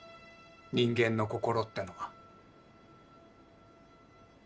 人間の心ってのは？